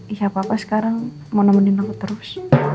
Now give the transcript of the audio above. isi apa apa sekarang mau nemenin aku terus